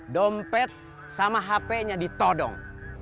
dompet sama hpnya ditodong